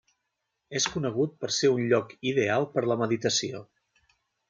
És conegut per ser un lloc ideal per la meditació.